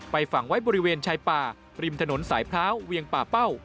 ฝั่งไว้บริเวณชายป่าริมถนนสายพร้าวเวียงป่าเป้า